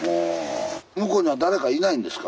向こうには誰かいないんですか？